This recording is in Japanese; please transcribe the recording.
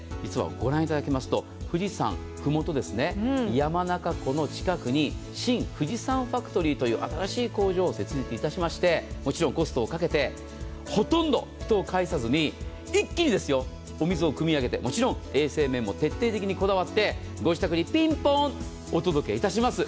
ご覧いただきますと富士山の麓で山中湖の近くに新富士山ファクトリーという新しい工場を設立いたしましてコストをかけてほとんど人を介さずに一気にお水をくみ上げて衛生面も徹底的にこだわってご自宅に、ピンポンお届けいたします。